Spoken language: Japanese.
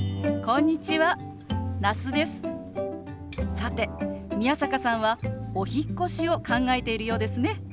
さて宮坂さんはお引っ越しを考えているようですね。